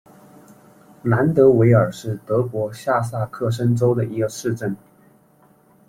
兰德韦尔是德国下萨克森州的一个市镇。